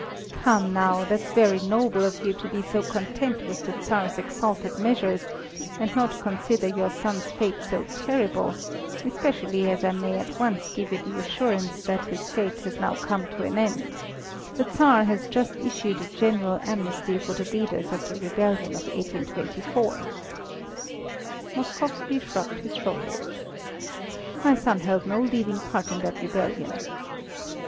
"Come, now, that's very noble of you to be so content with the Tsar's exalted measures, and not consider your son's fate so terrible, especially as I may at once give you the assurance that his fate has now come to an end; the Tsar has just issued a general amnesty for the leaders of the rebellion of 1824." Moskowski shrugged his shoulders. "My son held no leading part in that rebellion."